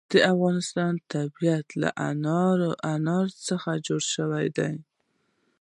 د افغانستان طبیعت له انار څخه جوړ شوی دی.